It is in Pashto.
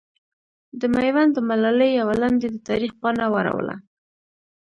د میوند د ملالې یوه لنډۍ د تاریخ پاڼه واړوله.